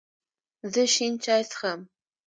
زه شین چای څښم